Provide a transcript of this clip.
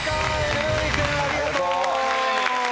るうい君ありがとう。